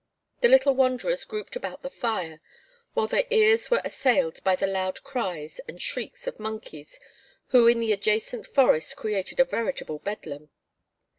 The little wanderers grouped about the fire, while their ears were assailed by the loud cries and shrieks of monkeys who in the adjacent forest created a veritable bedlam.